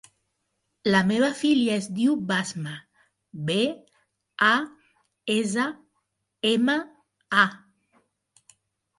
La meva filla es diu Basma: be, a, essa, ema, a.